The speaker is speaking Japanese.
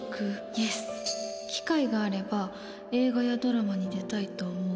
イエス「機会があれば映画やドラマに出たいと思う」